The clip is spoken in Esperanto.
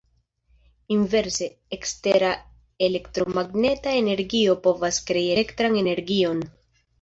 Inverse, ekstera elektromagneta energio povas krei elektran energion.